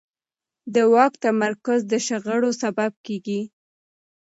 د واک تمرکز د شخړو سبب کېږي